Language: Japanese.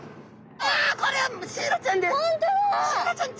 あこれはシイラちゃんです。